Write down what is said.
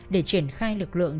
để triển khai lực lượng